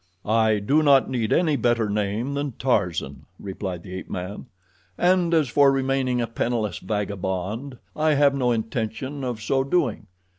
"I do not need any better name than Tarzan," replied the ape man; "and as for remaining a penniless vagabond, I have no intention of so doing.